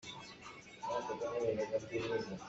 Nupi a hal.